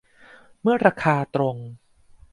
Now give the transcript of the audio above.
เมื่อราคาตรง